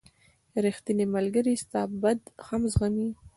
• ریښتینی ملګری ستا بد هم زغمي.